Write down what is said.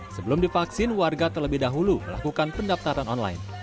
sebelum divaksin warga terlebih dahulu melakukan pendaftaran online